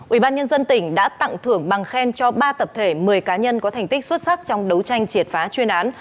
ủy ban nhân dân tỉnh đã tặng thưởng bằng khen cho ba tập thể một mươi cá nhân có thành tích xuất sắc trong đấu tranh triệt phá chuyên án